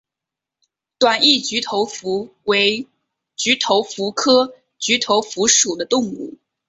短翼菊头蝠为菊头蝠科菊头蝠属的动物。